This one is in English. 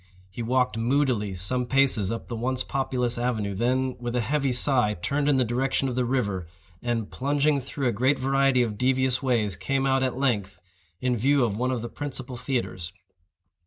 He walked moodily some paces up the once populous avenue, then, with a heavy sigh, turned in the direction of the river, and, plunging through a great variety of devious ways, came out, at length, in view of one of the principal theatres.